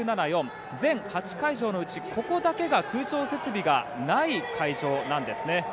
全８会場のうち、ここだけが空調設備がない会場なんです。